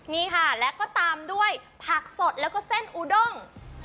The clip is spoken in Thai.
นี่ค่ะแล้วก็ตามด้วยผักสดแล้วก็เส้นอูด้ง